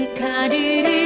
ibu sayangku ibu